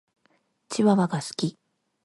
チワワが好き。